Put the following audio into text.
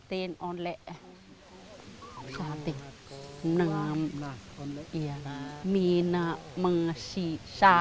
pembah atb tidak bermanfaat